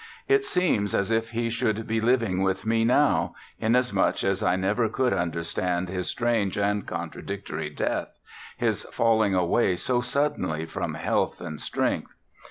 It seems as if he should be living with me now, inasmuch as I never could understand his strange and contradictory death, his falling away so suddenly from health and strength.